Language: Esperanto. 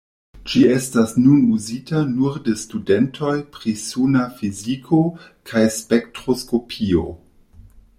Ĝi estas nun uzita nur de studentoj pri suna fiziko kaj spektroskopio.